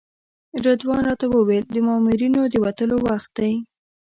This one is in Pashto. رضوان راته وویل د مامورینو د وتلو وخت دی.